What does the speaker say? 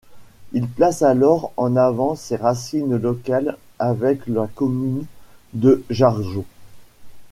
Il place alors en avant ses racines locales avec la commune de Jargeau.